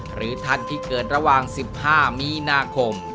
หรือท่านที่เกิดระหว่าง๑๕มีนาคม